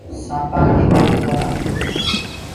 سآنپآ ڪي پگ ڪونآ۔